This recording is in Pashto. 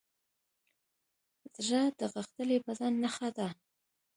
زړه د غښتلي بدن نښه ده.